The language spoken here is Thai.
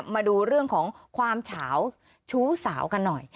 มาดูเรื่องของความเฉาชู้สาวกันหน่อย